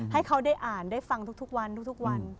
ให้เขาได้อ่านได้ฟังทุกวัน